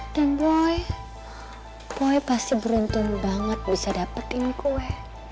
dan boy boy pasti beruntung banget bisa dapetin gue